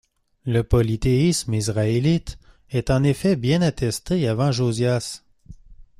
Le polythéisme israélite est en effet bien attesté avant Josias.